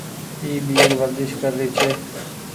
اي ٻير ورديش ڪري ڇي۔